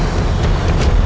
enggak enggak enggak